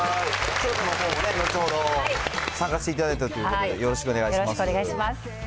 調査のほうも後ほど、参加していただいたということで、よろよろしくお願いします。